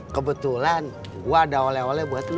kebetulan gue ada oleh oleh buat